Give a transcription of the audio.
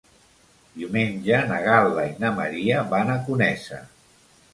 Diumenge na Gal·la i na Maria van a Conesa.